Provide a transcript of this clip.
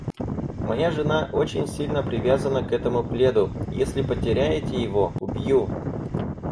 Моя жена очень сильно привязана к этому пледу. Если потеряете его — убью.